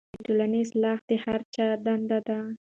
د ټولنې اصلاح د هر چا دنده ده.